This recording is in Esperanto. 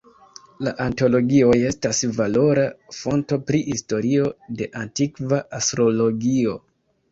La antologioj estas valora fonto pri historio de antikva astrologio.